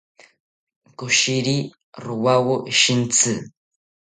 Koshiri rowawo shintzi